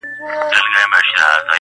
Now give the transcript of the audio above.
سیاه پوسي ده خاوند یې ورک دی~